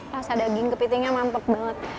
rasa daging kepitingnya mantap banget